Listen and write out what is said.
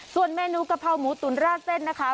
ส่วนเมนูกะเพราหมูตุ๋นราดเส้นนะคะ